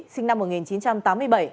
sinh năm một nghìn chín trăm tám mươi bảy